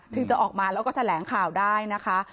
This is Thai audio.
ถึงจะออกมาแล้วก็แถลงข่าวได้นะคะ